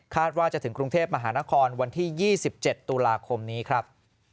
ว่าจะถึงกรุงเทพมหานครวันที่๒๗ตุลาคมนี้ครับ